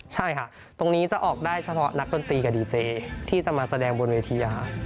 ใช่ค่ะตรงนี้จะออกได้เฉพาะนักดนตรีกับดีเจที่จะมาแสดงบนเวที